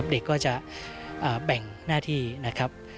เด็กก็จะแบ่งหน้าที่นะครับ